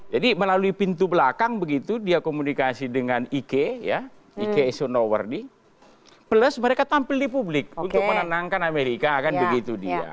jadi melalui pintu belakang begitu dia komunikasi dengan i k eisenhower plus mereka tampil di publik untuk menenangkan amerika kan begitu dia